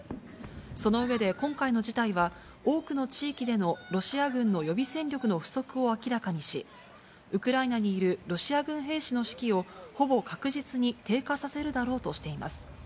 その上で、今回の事態は多くの地域でのロシア軍の予備選力の不足を明らかにし、ウクライナにいるロシア軍兵士の士気をほぼ確実に低下させるだろうとしています。